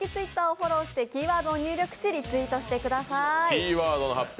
キーワードの発表